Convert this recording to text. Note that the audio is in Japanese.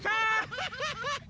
ハハハハ！